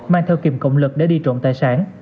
mang theo kìm cộng lực để đi trộm tài sản